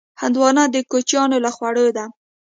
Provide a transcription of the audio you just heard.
هندوانه د کوچیانو له خوړو ده.